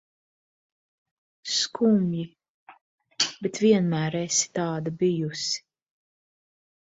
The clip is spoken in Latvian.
Skumji, bet vienmēr esi tāda bijusi.